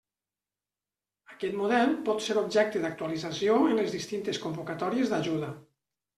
Aquest model pot ser objecte d'actualització en les distintes convocatòries d'ajuda.